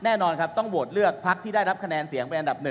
แน่นอนครับต้องโหวตเลือกพักที่ได้รับคะแนนเสียงเป็นอันดับ๑